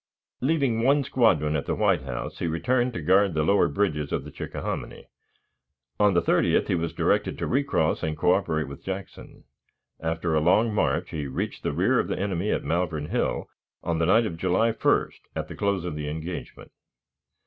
Leaving one squadron at the White House, he returned to guard the lower bridges of the Chickahominy. On the 30th he was directed to recross and coöperate with Jackson. After a long march, he reached the rear of the enemy at Malvern Hill, on the night of July 1st, at the close of the engagement.